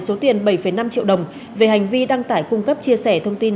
số tiền bảy năm triệu đồng về hành vi đăng tải cung cấp chia sẻ thông tin